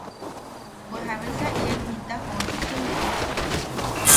¿Bwe jabesa ian jita joosisimne?